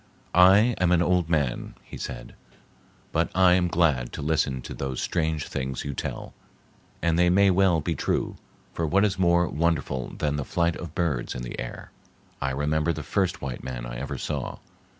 "I am an old man," he said, "but I am glad to listen to those strange things you tell, and they may well be true, for what is more wonderful than the flight of birds in the air? I remember the first white man I ever saw.